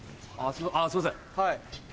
すいません